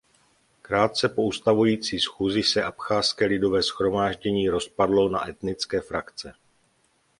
Krátce po ustavující schůzi se abchazské lidové shromáždění rozpadlo na etnické frakce.